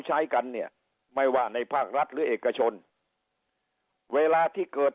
ใช้กันเนี่ยไม่ว่าในภาครัฐหรือเอกชนเวลาที่เกิด